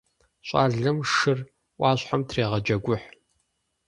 ЩӀалэм шыр Ӏуащхьэм трегъэджэгухь.